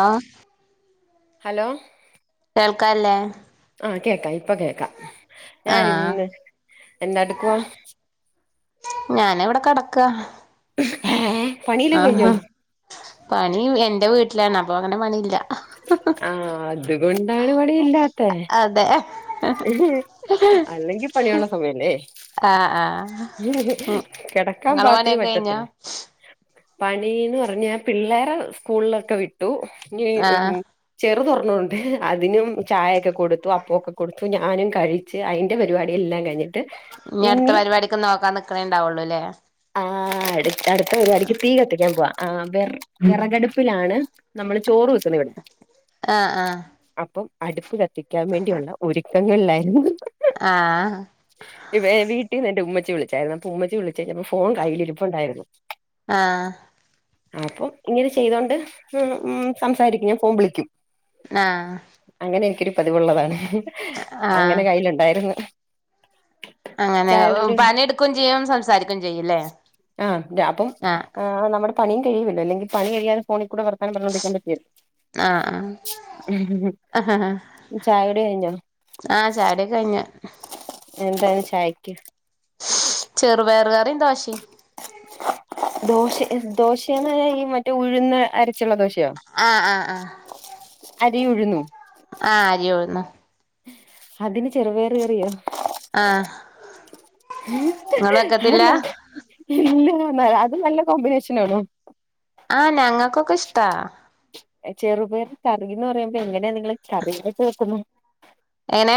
ആ ഹലോ. [unintelligible] ആഹ കേക്കാം ഇപ്പൊ കേൾക്കാം ഞാൻ ആഹ് ഇന്ന് എന്താ എടുക്കുവ. ഞാന് ഇവിടെ കെടക്ക. [unintelligible] ആഹ കഴിഞ്ഞോ പണി എന്റെ വീട്ടിലാണ് അപ്പൊ അങ്ങനെ പണിയില്ല. ആ അതുകൊണ്ടാണ് മടിയില്ലാത്തെ. അതെ [unintelligible] അല്ലെങ്കിൽ പണിയുള്ള സമയല്ലേ. ആഹ് ആഹ് ഉം കെടക്കാൻ ഇങ്ങളെ പാകത്തിന് പണിയൊക്കെ കഴിഞ്ഞോ പറ്റത്തില്ല. പണിന്ന് പറഞ്ഞ പിള്ളേരെ സ്കൂളിലൊക്കെ വിട്ടു ഞ്ഞി ആഹ് ചെർ [inaudible] അതിനും ചായയൊക്കെ കൊടുത്തു. [unintelligible] കൊടുത്തു ഞാനും കഴിച്ച് അയിന്റെ പരിപാടി എല്ലാം കഴിഞ്ഞു. ഇനി അടുത്ത പരിപാടിക് നോക്കാൻ നിക്കണേണ്ടാവുള്ളൂ ല്ലേ. ആ അടുത്ത പരിപാടിക്ക് തീ കത്തിക്കാൻ പോവാ. ആ വെർ വെറകടുപ്പിലാണ് നമ്മൾ ചോറ് വ ആഹ് ആഹ് അപ്പം അടുപ്പ് കത്തിക്കാൻ വേണ്ടിയുള്ള ഒരുക്കങ്ങളിലായിരുന്നു. ആഹ ഇന്ന് എന്റ ഉമ്മച്ചി വിളിച്ചായിരുന്നു അപ്പോ ഉമ്മച്ചി വിളിച്ചിട്ട് ഫോൺ കയ്യിലിരുപ്പു ണ്ടായിരുന്നു. ആ അപ്പം ഇങ്ങനെ ചെയ്തോണ്ട് സംസാരിക്കും ഞാൻ ഫോൺ വിളിക്കും. ആ അങ്ങനെ എനിക്കൊരു പതിവുള്ളതാണ് ആഹ് അങ്ങനെ കൈയിലുണ്ടായിരുന്നു. അങ്ങനെ പണിട്ക്കും ചെയ്യും സംസാരിക്കും ചെയ്യും. ആ അപ്പം നമ്മുടെ പണിയും കഴിയുന്നില്ലല്ലോ? അല്ലെങ്കിൽ പണി കഴിയാതെ ഫോണി [unintelligible] ആഹ ആഹ. ആഹ. ചായകുടി കഴിഞ്ഞോ ആ ചായകുടിയൊക്കെ കഴിഞ്ഞു. എന്താണ് ചായക്ക്? ചെറുപയറ് കറിയും ദോശേം. ദോശെ ദോശേണ് ഈ മറ്റേ ഉഴുന്ന് അരച്ചുള്ള ദോശ ആ ആ ആ അരി ഉഴുന്നും അരിയുഴുന്നും അതിന് ചെറ്പേറ് കറിയോ ആ അയ് എന്നാ ഇല്ല അത് നല്ല കോമ്പിനേഷനാണോ ആ ഞങ്ങക്കൊക്കെ ഇഷ്ടാ ചെറുപേർ കറിന്ന് പറയുമ്പോ എങ്ങനെയാ നിങ്ങള് കറീനേ ചേർക്കുന്നെ ഏങ്ങനെ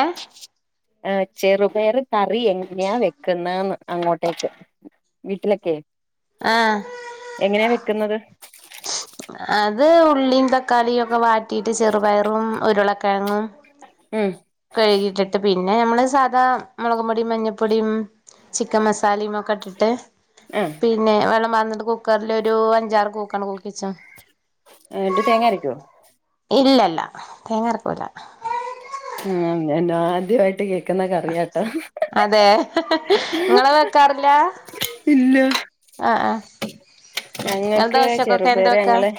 ആ ചെറുപയറ് കറി എങ്ങനെയാ വെക്കുന്നേന്ന് അങ്ങോട്ടേക്ക് വീട്ടിലൊക്കെ ആഹ് എങ്ങനെയാ വെക്ക് ന്നത് അത് ഉള്ളീം തക്കാളി ഒക്കെ വാട്ടീട്ട് ചെറുപയറും ഉരുളക്കെഴങ്ങും ഉം കഴുകിട്ടിട്ട് പിന്നെ നമ്മള് സാധാ മുളകും പൊടീം മഞ്ഞപൊടീം ചിക്കൻ മസാ സാലിം ഒക്കെ ഇട്ടിട്ട് ആഹ് പിന്നെ വെള്ളം പാർന്നിട്ട് കുക്കറില് ഒരു അഞ്ചാറ് കൂക്കാണ് കൂക്കിച്ചും എന്നിട്ട് തേങ്ങ അരക്കോ ഇല്ലല്ല തേങ്ങ രക്കൂല ആ ഞാൻ ആദ്യായിട്ട് കേ ക്ക്ന്ന കറിയാട്ടോ അതെ ഇങ്ങള് വെക്കാറില്ല ഇല്ല ആഹ് ആഹ് ഇങ്ങള് ഞങ്ങക്ക് ദോശക്കൊക്കെ എന്താ ചെറുപേറ് വെക്കാ ഞങ്ങള്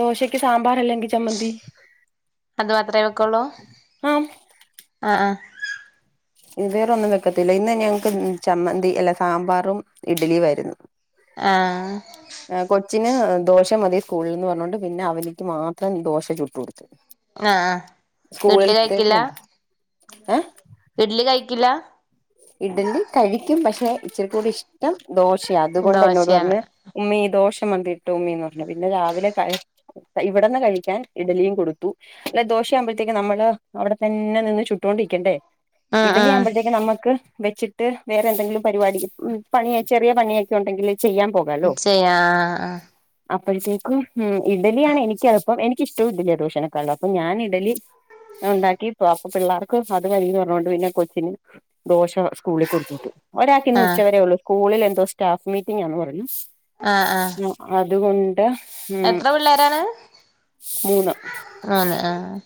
ദോശക്ക് സാമ്പാറ് അല്ലെങ്കി ചമ്മന്തി ക്കളോ ആഹ് അ ആ ഇന് വേറൊന്നും വെക്കത്തില്ല ഇന്ന് ഞങ്ങക്ക് ചമ്മന്തി അല്ല സാമ്പാറും ഇഡ്ലി വായിരുന്നു ആഹ് ആ കൊച്ചിന് ദോശ മതി സ്കൂളിന്ന് വന്നോണ്ട് പിന്നെ അവനിക്ക് മാത്രം ദോശ ചുട്ട് കൊടുത്തു ആ ആ ഇഡ്ലി സ്കൂളിലത്തേക്ക് കഴിക്കില്ല കൊണ്ട് ഏ ഇഡ്ലി കഴിക്കില്ല ഇഡലി കഴിക്കും പക്ഷെ ഇച്ചിരി കൂടി ഇഷ്ടം ദോശയാ അതുകൊണ്ട് എന്നോട് ദോശയാണ് പറഞ്ഞ് ഉമ്മീ ദോശ മതീട്ടോ ഉമ്മിന്ന് പറഞ്ഞു പിന്നെ രാവിലെ കഴ ഇവിടെന്ന് കഴിക്കാൻ ഇഡലിയും കൊടുത്തു അല്ല ദോശയാകുമ്പോഴത്തേക്ക് നമ്മള് അവിടെ തന്നെ നിന്ന് ചുട്ടോ ണ്ടിക്കണ്ടേ ആഹ് ഇഡലി ആവുമ്പ ആഹ് ത്തേക്ക് നമ്മക്ക് വെച്ചിട്ട് വേറെ എന്തെങ്കിലും പരിവാടി പണിയെ ചെറിയ പണിയൊക്കെ ഉണ്ടെങ്കില് ചെയ്യാ ആ ആ അ അപ്പോഴത്തേക്കും ഇഡലിയാണ് എനിക്ക് എള്പ്പം എനിക്കിഷ്ടവും ഇഡലി ദോശനെക്കാളും അപ്പം ഞാന് ഇഡലി ഞാ ഉണ്ടാക്കിപ്പോ അപ്പൊ പിള്ളേർക്കും അത് മതിന്ന് പറഞ്ഞോണ്ട് പിന്നെ കൊച്ചിന് ദോശ സ്കൂളിൽ കൊട്ത്തു വിട്ടു ഒരാക്കിന്ന് ആഹ് ഉച്ചവരേ ഒള്ളൂ സ്കൂളില് എന്തോ സ്റ്റാഫ് മീറ്റിംഗാന്ന് പറഞ്ഞു ആ ആ അതുകൊണ്ട് ഉം മൂന്ന് മൂന്ന് ആഹ്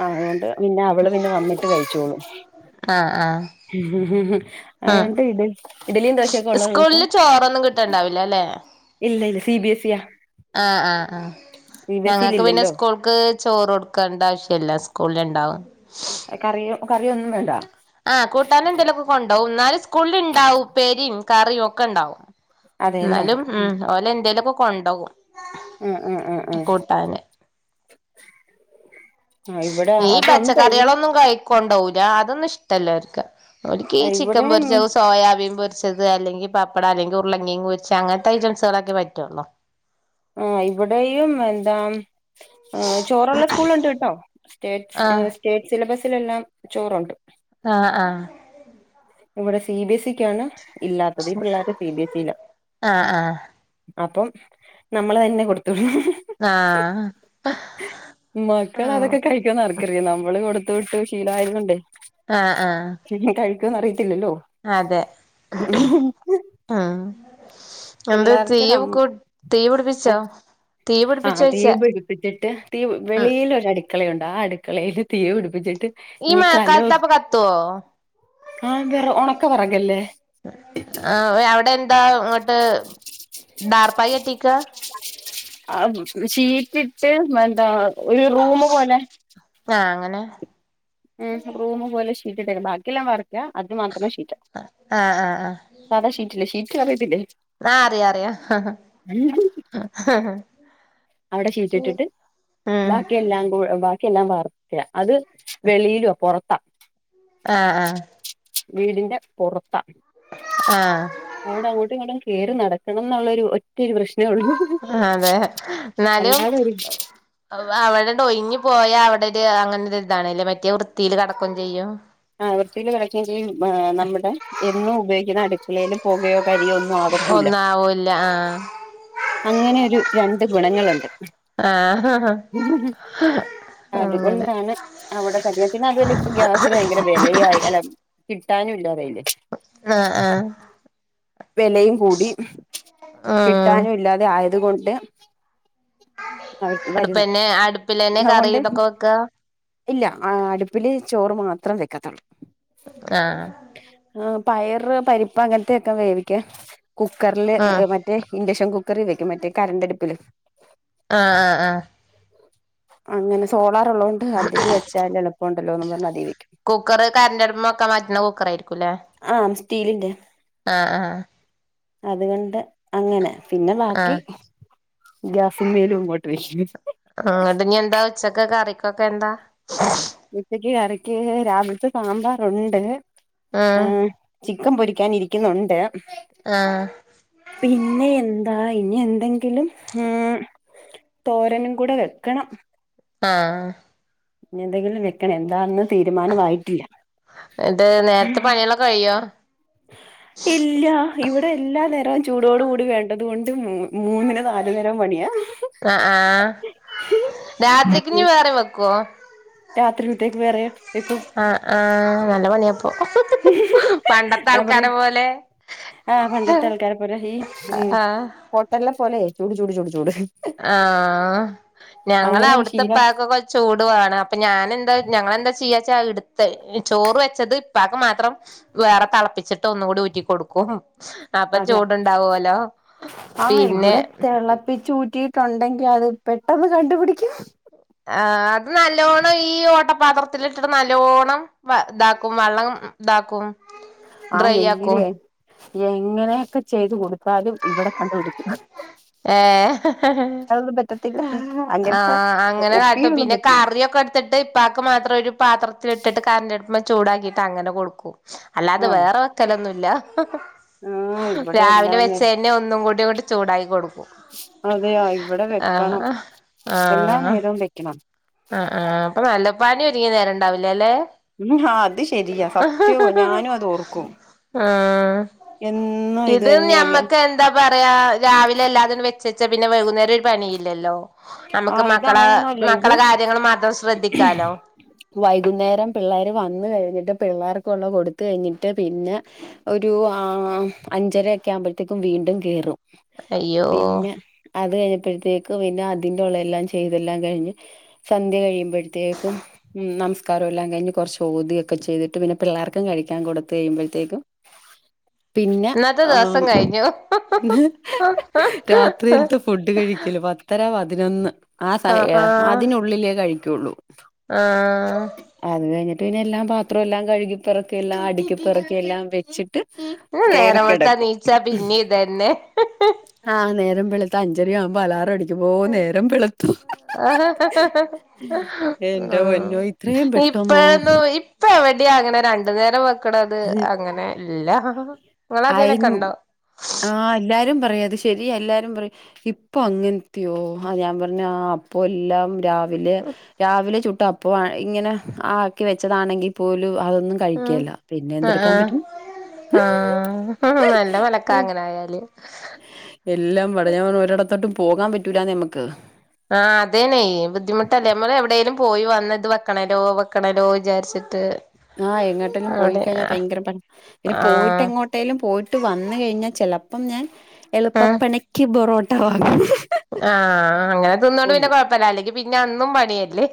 ആ ങ്ങട്ട് പിന്നെ അവള് പിന്നെ വന്നിട്ട് കഴിച്ചോളും ആ അതോണ്ട് ഇത് സ്കൂളില് ചോറൊന്നും കിട്ട് ണ്ടാവിലാല്ലേ ഇല്ല ഇല്ല സി ബി എസ് ഇയാ ആ ആ ആ സി ബി എസ് ഇൽ ഞങ്ങക്ക് പിന്നെ ഇല്ലല്ലോ സ്കൂൾക്ക് ചോറ് കൊടുക്കേണ്ട ആവശ്യല്ല സ്കൂളില് ഇ ണ്ടാവും കറിയും കറിയൊന്നും വേണ്ട ആ കൂട്ടാനെ എന്തേലുക്കെ കൊണ്ടോവും ഇന്നാലു സ്കൂളില് ഇണ്ടാവും ഇപ്പേരിം കറിം ഒക്കെ ഇ ണ്ടാവും അതെല്ലേ എന്നാലും ഉ ഓലെ എന്തേലുക്കെ കൊണ്ടോവും ആ ആ ആ ആ കൂട്ടാന് ഈ പച്ചക്കറികളൊന്നും കഴ കൊണ്ടോകുല അതൊന്നും ഇഷ്ടല്ല അവർക്ക് അവർക്ക് ഈ ചിക്കൻ ഇവിടെ പൊരിച്ച സോയാബീൻ പൊ റിച്ചത് അല്ലെങ്കിൽ പപ്പടം അല്ലെങ്കിൽ ഉരുളങ്ങിയും പൊരിച്ച അങ്ങനത്തെ ഐറ്റംസുകളൊക്കെ പററ്റൊള്ളോ ആഹ് ഇവിടെയും എന്താ ആഹ് ചോറുള്ള സ്കൂളുണ്ട് കേട്ടോ സ്റ്റേറ്റ് ആഹ് സ്റ്റേറ്റ് സിലബസിലെല്ലാം ചോറുണ്ട് ആ ആ ഇവിടെ സി ബി എസ് ഇിക്കാണ് ഇല്ലാത്തത്ഈ പിള്ളേരുടെ സി ബി എസ് ഇയില ആഹ് അപ്പം നമ്മൾ തന്നെ കൊടു ആഹ് ആഹ് മക്കൾ ആഹ് അതൊക്കെ കഴിക്കോന്നർക്കറിയ നമ്മള് കൊടു ത്ത്ഇട്ട് ശീല ആരുന്നുണ്ട് ആ ആ അറിയത്തില്ലല്ലോ അതെ ഉം എന്താ തീ പിള്ളേർക്ക് തീ പിടിപ്പിച്ചോ തീ ആ തീ പിടിപ്പിച്ചോയ്ച്ചാ പിടിപ്പിച്ചിട്ട് തീ ഉം വെളിൽ ഒരു അടുക്കളയുണ്ട് ആടു കളയില് തീ പിടിപ്പിച്ചിട്ട് ഈ ഇനി കലോ മഴക്കാലത്തപ്പൊ കത്തുവോ ആ വേറ ഉണക്കെ വെറാകല്ലേ ആഹ് അവിടെ എന്താ ഇങ്ങോട്ട് ഡാർപ്പായികെട്ടിക്ക ആ ഷീറ്റ് ഇട്ട് എന്താ ഒരു റൂമ് പോലെ [inaudible] ഉ റൂമ് പോലെ ഷീറ്റ്കണ് ബാക്കിെല്ലാം വർക്ക് ആ ആ ആ സാധാ ഷീറ്റില്ലേ ഷീറ്റ് അറിയത്തില്ലേ ആ അറിയ അറിയ [inaudible] അവിടെ ഷീറ്റിട്ടിട്ട് ബാക്കിയെല്ലാം കൂടെ ബാക്കിയെല്ലാം വാർത്തയാ അത് വെളിയിലുവാ പുറത്താ ആ ആ വീടിന്റെ പുറത്ത ആഹ് അവിടെ അങ്ങോട്ടും ഇങ്ങടും കയറി നടക്കണം എന്നുള്ള ഒരു ഒറ്റ ഒരു പ്രശ്നം അതെ എന്നാലും അല്ലാതെ ഒരു അവിടെ ഒഴഞ്ഞു പോയാ അവിടെ ഒരു അങ്ങനെ ഇതാണല്ലേ മറ്റേ വൃത്തിൽ കടക്കം ചെയ്യും ആ വൃത്തിൽ കിടക്ക ചെയ്യും നമ്മുടെ എന്നും ഉപയോഗിക്കുന്ന അടുക്കളയിയിലും പുകയോ കരിയോ ഒന്നും ആകത്തൂല്ല ഒന്നാവൂല്ല അങ്ങനെ ഒരു രണ്ട് ഗുണങ്ങളുണ്ട് ആ ഹ അതുകൊണ്ടാണ് അവിടെ കരിത്തി അതുപോലെ ഇപ്പൊ ഗ്യാസ് ന്ഭയങ്കര വിലയായി അല്ല കിട്ടാനുംല്ലതായി ആ ആ വിലയും കൂടി ഉം കിട്ടാനും ഇല്ലാതെ ആയ അതുകൊണ്ട് അ വരുന്ന അടുപ്പന്നെ അടുപ്പിലന്നെ കറി അതുകൊണ്ട് ഇതൊക്കെ വെക്ക ഇല്ല ആ അടുപ്പില് ചോറ് മാത്രം വെക്കത്തുള്ളൂ ആ ആ പയറ് പരിപ്പ അങ്ങനത്തെയൊക്കെ വേവിക്ക കുക്കറില് ഉം മറ്റേ ഇൻഡക്ഷൻ കുക്കർ വെക്കും മറ്റേ കരണ്ട്ടുപ്പില് ആ ആ ആ അങ്ങനെ സോളാർ ഉള്ളതൊണ്ട് അതില് വെച്ചാല് എളുപ്പുണ്ടല്ലോന്ന് പറഞ്ഞ അതീവക്കും കുക്കറ് കറണ്ട് അടുപ്പുമേ വെക്കാൻ പറ്റുന്ന കുക്കർ ആയിരിക്കുംല്ലേ ആ സ്റ്റീലിന്റെ ആ ആ അതുകൊണ്ട് അങ്ങനെ പിന്നെ ബാക്കി ആഹ് ഗ്യാസും മേലും ഇങ്ങോട്ട് വെക്കും ഉച്ചക്കെ കറിക്കൊക്കെ എന്താ ഉച്ചക്ക് കറിക്ക് രാവിലത്തെ സാമ്പാറുണ്ട് ആ ക്കം പൊരിക്കൻ ഇരിക്കൊന്ന്‌ണ്ട് ആഹ് പിന്നെ എന്താ? പിന്നെന്തെങ്കിലും ഉം തോരനും കുടെ വെക്കണം. ആ എന്തെങ്കിലും വെക്കണെ എന്താണെന്ന്‌ തീരുമാനമായിട്ടില്ല. എന്നിട്ട് നേരത്തെ പണികളൊക്കെ കഴിയോ ഇല്ല ഇവിടെ എല്ലാ നേരവും ചൂടോട് കൂടി വേണ്ടത് കൊണ്ട് മൂ മൂന്നിന് നാലു നേരം പണിയാ. രാത്രിക്ക്ഞ്ഞ് വേറെ വെക്കോ? രാത്രിൽത്തേക്ക് വേറെ വെക്കും ആ ആ നല്ല പണിയാപ്പ. പണ്ടത്തെ ആൾക്കാരെ പോലെ ആ പണ്ടത്തെ ആൾക്കാരെ പോലെ ഈ ഉം ആഹ് ഹോട്ടല്ലേ പോലെയെ ചൂട് ചൂട് ചൂട് ചൂട്. ആ അങ്ങനെ ഒരു ഞങ്ങളവിടുത്തെ ശീലം പ്പാക്കക്കെ ചൂട് വാണം അപ്പ ഞാനെന്താ ഞങ്ങളെന്താ ചെയ്യാ ച്ചകിടുത്തെ ചോറ് വെച്ചത് ഇപ്പാക്ക് മാത്രം വേറെ തെളപ്പിച്ചിട്ട് ഒന്നുകൂടി ഊറ്റി കൊടുക്കും. അപ്പൊ അതെയാ ചൂടുണ്ടാവുവല്ലോ ആ പിന്നെ ഇവിടെതെളപ്പിച്ചൂ ക്കിട്ടൊണ്ടെങ്കിയത് പെട്ടെന്ന് കണ്ടുപിടിക്കും. ആ അത് നല്ലോണ്ണം ഈ ഓട്ടപാത്രത്തിലിട്ടിട്ട് നല്ലോണ്ണം വ താക്കും വള്ളം. താക്കും. ആ എങ്ങനെ എങ്ങനെയെക്കെ ചെയ്ത് കൊടുത്താലും ഇവിടെ കണ്ടുപിടി ഏ? ഇതാ ആ അങ്ങനെകാട്ടു പിന്നെ കറിയൊക്കെടുത്തിട്ട് ഇപ്പാക്ക് മാത്രം ഒരു പാത്രത്തിൽ ഇട്ടിട്ട് [unintelligible] മ്മ ചൂടാക്കിട്ട് അങ്ങനെ കൊടുക്കും അല്ലാതെ ആഹ് വേറെ വെക്കലൊന്നുല്ല. ആഹ് ഇവിടെ എല്ലാ രാവിലെ വെച്ചെന്നെ ഒന്നും കൂടിയങ്ങട്ട് ചൂടായി കൊടുക്കും. അതെയൊ ഇവടെ വെക്കണം ആഹ് എല്ലാ നേരവും വെക്കണം. ആ ആ അപ്പ നല്ല പാടി ഒരിങ്ങി നേരണ്ടാവില്ലല്ലേ? ഉം ആ അത് ശരിയാ ഫസ്റ്റ് ഞാനുവത് ഓർക്കും. ആ എന്നും ഇത് തന്നെയാള്ള ഞമ്മക്ക് എന്താ പറയാ രാവിലെ എല്ലാതിനും വെ ചച്ച പിന്നെ വൈകുന്നേര ഒര് പണിയില്ലല്ലോ അമക്ക് ആഹ് ഇത് അങ്ങനെയൊന്നും അല്ല മക്കള വൈകുന്നേരം പിള്ളേര് വന്ന് കഴിഞ്ഞിട്ട് പിള്ളേർക്കൊള്ള കൊടുത്ത് കഴിഞ്ഞിട്ട് പിന്നെ ഒരു അഞ്ചരക്കെ ആമ്പത്തേക്കും വീട് ടും കേറും അയ്യോ പിന്നെ അത് കഴിഞ്ഞപ്പത്തേക്കും പിന്നാ തിന്റൊള്ളല്ലാം ചെയ്തെല്ലാം കഴിഞ്ഞ് സന്ധ്യ കഴിയുമ്പഴ്ത്തേക്കും ഉം നമസ്കാരോല്ലാം കഴിഞ്ഞ് ചോദ്യക്കെ ചെയ്തിട്ട് പിന്നെ പിള്ളേർക്കും കഴിക്കാൻ കൊടുത്ത് കഴിയുമ്പഴ്ത്തേക്കും പിന്നെ ഇന്നത്തെ ആ ദിവസം കഴിഞ്ഞു രാത്രിൽത്തെ ഫുഡ് കഴിക്കൽ. ല് പത്തര പതിനൊന്ന് ആ സ ഏ അതിനുള്ളിലേ കഴിക്കൂളൂ. ആ റ്റുവിന്നെല്ലാം പാത്രോല്ലാം കഴുകിപ്പെറുക്കി എല്ലാം അടിക്കിപെറുക്കിയെല്ലാം വെച്ചിട്ട് ഇന്ന് കേറി നേരം വെളുത്താ കെടക്കും നീച്ചാ പിന്നിം ഇതന്നെ ആ നേരം വെളുത്ത അഞ്ചര ആമ്പ അലാറടിക്കുമ്പ ഓ നേ എന്റെ പൊന്നോ ഇത്രയും പെട്ടെന്നോ ഇപ്പഴ്ന്നു ഇപ് പ്പെവിടെയാങ്ങനെ രണ്ടു നേരം വെക്കണത് അങ്ങനെ ഇല്ല ങ്ങളങ്ങനെക്കെണ്ടോ? ആ എല്ലാരും പറയത് ശെരിയാ എല്ലാരും പറയും ഇപ്പൊ അങ്ങനെക്കെയോ ആ ഞാൻ പറഞ്ഞ് അപ്പോ എല്ലാം രാ വിലെ രാവിലെ ചുട്ടു അപ്പോ ആ ഇങ്ങനെ ആക്കി വെച്ചതാണെങ്കിൽ പോലും രു അതൊന്നും കഴിക്കേല പിന്നെ എന്തെടുക്കാൻ പറ്റും? ആ നല്ല മലക്കാങ്ങനെ ആയല്. എടതോട്ടും പോകാൻ പറ്റൂലന്നേ നമുക്ക് ആഹ അതേനെയ ബുദ്ധിമുട്ടല്ലേ നമ്മൾ എവിടെലും പോയി വന്നത് ഇതവെക്കണലോ വെക്കണലോ വിചാരിച്ചിട്ട് ആ എങ്ങോട്ടേലും പോയി അവിടെ കഴിഞ്ഞാൽ ആഹ് ഭയങ്കര പണിയപിന്നെ പോയിട്ട് ആഹ് എങ്ങോട്ടേലും പോയിട്ട് വന്നു കഴിഞ്ഞാൽ ചെലപ്പോ പ്പം ഞാൻ എളുപ്പപ്പണിക്ക് ബൊറോട്ട വാങ്ങണം ആ അങ്ങനെ തിന്നോണ്ട് പിന്നെ കൊഴപ്പല്ല അല്ലെങ്കി പിന്നെ അന്നും പണിയല്ലേ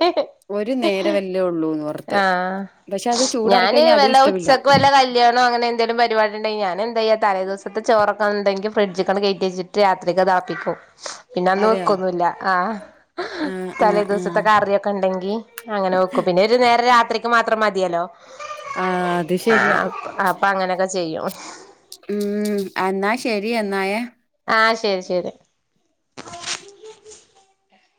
ഒരു നേര വല്ലേ ഉള്ളൂന്ന് പുറത്ത് ആഹ് ഞാന് വല്ല ഉച്ചക്ക് വല്ല കല്യാണം അങ്ങനെ എന്തെങ്കലും പരിപാടി ഉണ്ടെിൽ ഞാൻ എന്താ്യ തലേ ദിവസത്തെ ചോറക്കെ ഉണ്ടെങ്കിൽ ഫ്രിഡ്ജൊക്കെ കയറ്റി വെച്ചിട്ട് രാത്രിക്കക്ക്താപ്പിക്കും പിന്നെ അന്ന് അതെയോ വക്കൊന്നല്ല ആ ആഹ് തലേ ആഹ് ദിവസത്തെ ആഹ് കറിയൊക്കെ ഉണ്ടെങ്കി അങ്ങനെ വെക്കും പിന്നെ ഒരു നേരെ രാത്രിക്ക് മാത്രം മതിയല്ലോ ആഹ് അത് ശരിയാ അപ്പൊ അങ്ങനൊക്കെ ചെയ്യും ഉം എന്നാ ശരി എന്നായേ ആ ശരി ശരി